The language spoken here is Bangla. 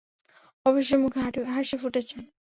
অবশেষে মুখে হাসি ফুটেছে।